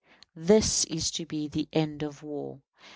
This is to be the end of war.